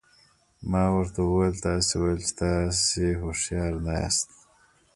ما ورته وویل تاسي ویل چې تاسي هوښیار نه یاست.